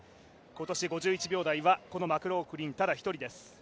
今年５１秒台はこのマクローフリンただ一人です。